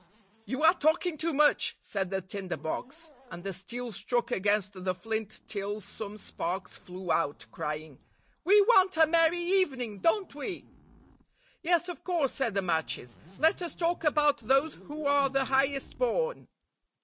* 'You are talking too much,' said the tinder box; and the steel struck against the flint till some sparks flew out, crying, 'We want a merry evening. Don't we?' 'Yes, of course,' said the matches. 'Let us talk about those who are the highest born.